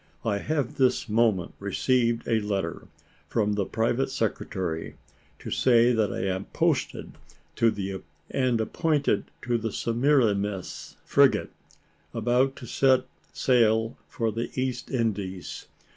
I have this moment received a letter from the private secretary, to say that I am posted and appointed to the Semiramis frigate, about to set sail for the East Indies.